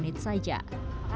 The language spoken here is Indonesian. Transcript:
makasih ya pak